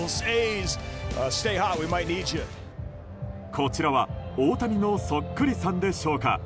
こちらは大谷のそっくりさんでしょうか。